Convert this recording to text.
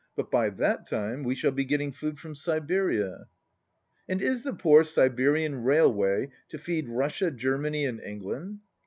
But by that time we shall be getting food from Siberia." "And is the poor Siberian railway to feed Rus sia, Germany, and England?"